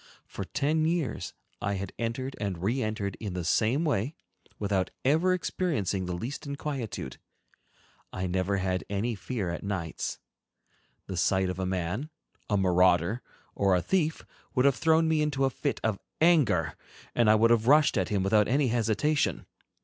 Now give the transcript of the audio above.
For ten years I had entered and re entered in the same way, without ever experiencing the least inquietude. I never had any fear at nights. The sight of a man, a marauder, or a thief would have thrown me into a fit of anger, and I would have rushed at him without any hesitation.